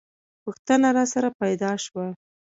پوښتنه راسره پیدا شوه.